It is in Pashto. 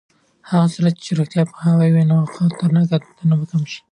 په هغه صورت کې چې روغتیایي پوهاوی وي، خطرناک عادتونه به کم شي.